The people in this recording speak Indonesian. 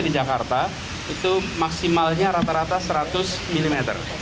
di jakarta itu maksimalnya rata rata seratus mm